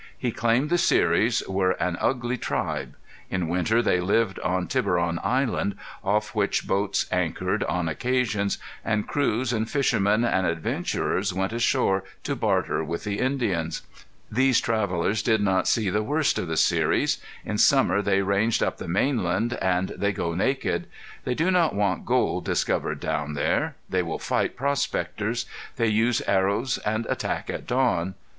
He claimed the Seris were an ugly tribe. In winter they lived on Tiburon Island, off which boats anchored on occasions, and crews and fishermen and adventurers went ashore to barter with the Indians. These travelers did not see the worst of the Seris. In summer they range up the mainland, and they go naked. They do not want gold discovered down there. They will fight prospectors. They use arrows and attack at dawn.